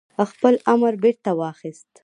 خپل امر بيرته واخيست